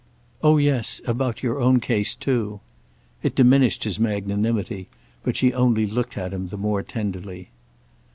"Oh yes—about your own case too!" It diminished his magnanimity, but she only looked at him the more tenderly.